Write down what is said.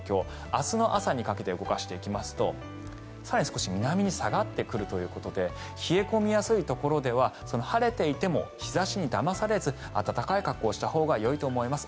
明日の朝にかけて動かしていきますと更に少し南に下がってくるということで冷え込みやすいところでは晴れていても日差しにだまされず暖かい格好をしたほうがよいと思います。